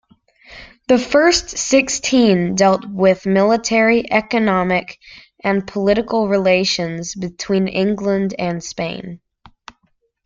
The first sixteen dealt with military, economic, and political relations between England and Spain.